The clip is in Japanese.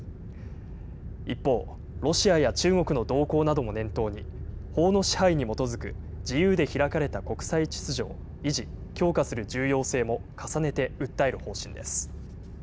一方、ロシアや中国の動向なども念頭に、法の支配に基づく自由で開かれた国際秩序を維持・強化する重要性も重ねて訴える方針です。